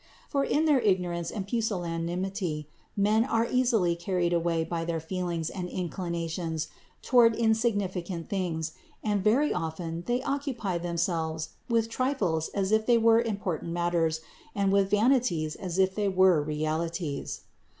For in their ignorance and pusillanimity men are easily carried away by their feelings and inclinations toward insignifi cant things, and very often they occupy themselves with trifles as if they were important matters, and with vani ties, as if they were realities.